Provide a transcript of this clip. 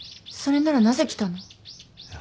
それならなぜ来たの？